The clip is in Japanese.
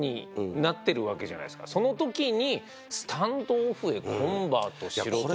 その時にスタンドオフへコンバートしろと言われるのは。